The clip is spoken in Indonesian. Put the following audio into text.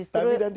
tapi nanti begitu